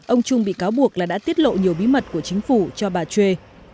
ông chung bị cáo buộc là đã tiết lộ nhiều bí mật của chính phủ cho bà choi